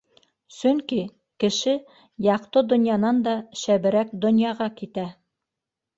Сөнки кеше яҡты донъянан да шәберәк донъяға китә.